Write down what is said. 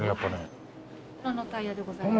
本物のタイヤでございます。